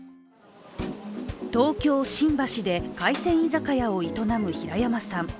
東京・新橋で海鮮居酒屋を営む平山さん。